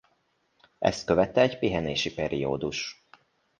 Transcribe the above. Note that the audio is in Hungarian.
Ezt követte egy pihenési periódus.